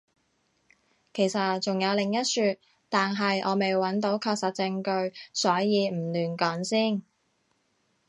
其實仲有另一說，但係我未揾到確實證據，所以唔亂講先